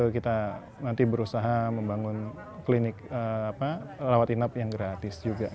kita nanti berusaha membangun klinik rawat inap yang gratis juga